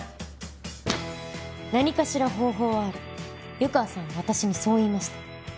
何かしら方法はある湯川さんは私にそう言いました。